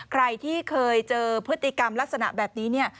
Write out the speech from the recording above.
ใครที่เคยเจอพฤติกรรมลักษณะแบบนี้เนี่ย